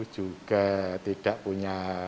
juga tidak punya